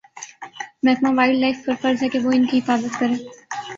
محکمہ wildlife پر فرض ہے کہ وہ ان کی حفاظت کریں